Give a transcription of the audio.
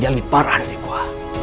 dia lebih parah dari gua